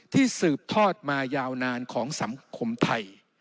สืบทอดมายาวนานของสังคมไทย